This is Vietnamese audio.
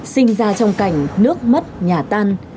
sinh ra trong cảnh nước mất nhà tan